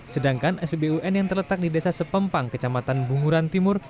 sedangkan spbun yang terletak di desa sepempang kecamatan bunguran timur